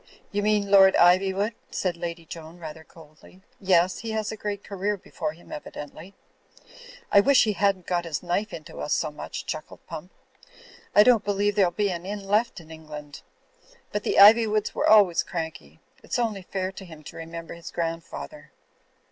"You mean Lord Ivywood," said Lady Joan, rather coldly. "Yes, he has a great career before him, evi dently." "I wish he hadn't got his knife into us so much," chuckled Pump. "I don't believe there'll be an inn left in England. But the Ivjrwoods were always cranky. It's only fair to him to remember his grand father."